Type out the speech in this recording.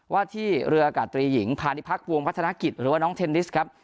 ว่าที่เรืออากาศตรีหญิงพาณิพักษวงพัฒนากิจหรือว่าน้องเทนนิสครับ